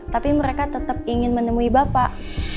tapi mereka tetap ingin menemui bapak